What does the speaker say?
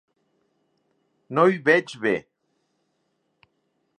No hi veig bé.